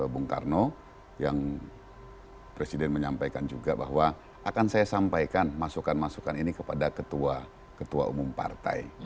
bung karno yang presiden menyampaikan juga bahwa akan saya sampaikan masukan masukan ini kepada ketua umum partai